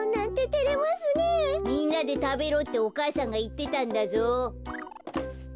みんなでたべろってお母さんがいってたんだぞ。